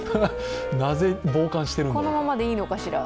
なぜ傍観しているのか。